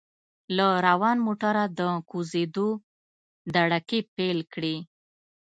له روان موټره د کوزیدو دړکې پېل کړې.